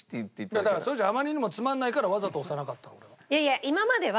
だからそれじゃあまりにもつまらないからわざと押さなかったの俺は。